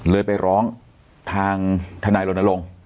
เลยไปร้องทางทนายรณรงค์